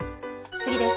次です。